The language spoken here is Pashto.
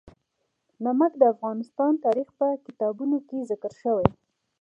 نمک د افغان تاریخ په کتابونو کې ذکر شوی دي.